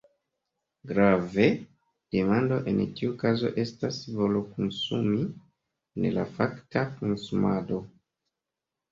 Grave: demando, en tiu kazo, estas volo konsumi, ne la fakta konsumado.